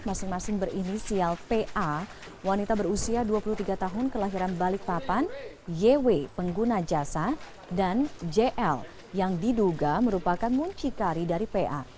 masing masing berinisial pa wanita berusia dua puluh tiga tahun kelahiran balikpapan yw pengguna jasa dan jl yang diduga merupakan muncikari dari pa